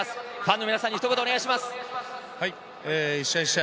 ファンの皆さんにひと言お願いします。